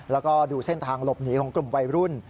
แล้วก็ดูเส้นทางหลบหนีของกลุ่มวัยรุ่น